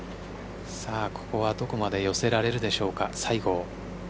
ここはどこまで寄せられるでしょうか、西郷。